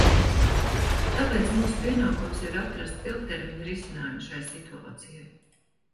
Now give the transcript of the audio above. Tāpēc mūsu pienākums ir atrast ilgtermiņa risinājumu šai situācijai.